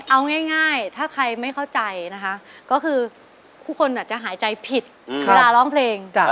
เอาง่ายถ้าใครไม่เข้าใจนะคะก็คือผู้คนจะหายใจผิดเวลาร้องเพลง